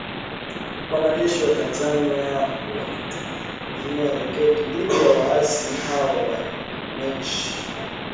Wanajeshi wa Tanzania wakitumia roketi dhidi ya waasi hao wa Machi ishirini na tatu na kuwalazimu kukimbia kambi zao na kuingia Uganda na Rwanda